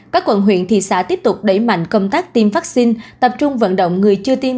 các quận huyện thị xã tiếp tục đẩy mạnh công tác tiêm vaccine tập trung vận động người chưa tiêm